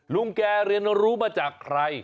ลุงแกเรียนรู้มาจากใคร